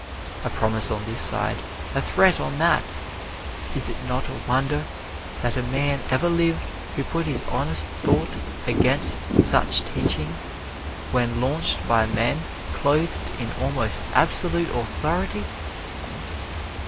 A promise on this side a threat on that! Is it not a wonder that a man ever lived who put his honest thought against such teaching when launched by men clothed in almost absolute authority!